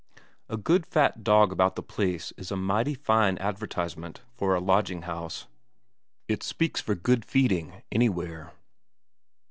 A good fat dog about the place is a mighty fine advertisement for a lodging house; it speaks for good feeding anywhere.